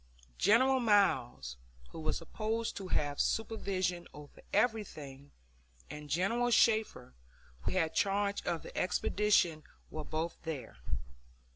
General Miles, who was supposed to have supervision over everything, and General Shafter, who had charge of the expedition, were both there.